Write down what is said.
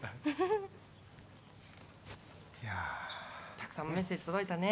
たくさんメッセージ届いたね。